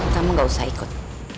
kamu gak usah ikut